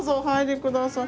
はい。